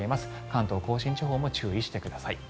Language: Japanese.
関東・甲信地方も注意してください。